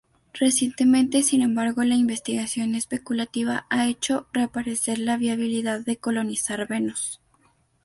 Recientemente sin embargo, la investigación especulativa ha hecho reaparecer la viabilidad de colonizar Venus.